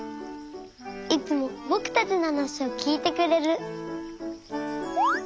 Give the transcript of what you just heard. いつもぼくたちのはなしをきいてくれる。